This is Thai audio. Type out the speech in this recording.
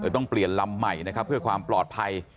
ต้องเปลี่ยนลำใหม่นะครับเพื่อความปลอดภัย